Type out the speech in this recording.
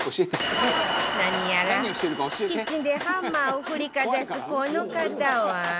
何やらキッチンでハンマーを振りかざすこの方は